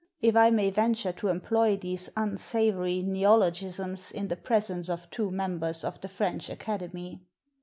if I may venture to employ these unsavory neologisms in the presence of two members of the French Acad emy.